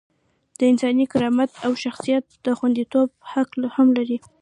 د انساني کرامت او شخصیت د خونديتوب حق هم لري.